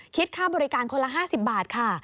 ค่าบริการคนละ๕๐บาทค่ะ